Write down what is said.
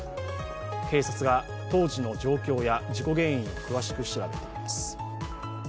警察が当時の状況や事故原因を詳しく調べています。